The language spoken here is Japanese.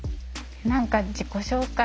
何か自己紹介